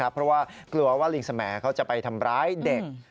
เพราะว่ากลัวว่าลิงสมเขาจะไปทำร้ายเด็ก